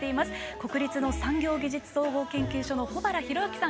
国立の産業技術総合研究所の保原浩明さん